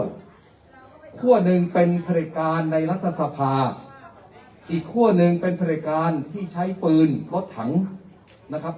คั่วหนึ่งเป็นผลิตการในรัฐสภาอีกคั่วหนึ่งเป็นผลิตการที่ใช้ปืนรถถังนะครับ